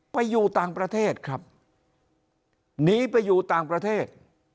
ไปอยู่ต่างประเทศครับหนีไปอยู่ต่างประเทศ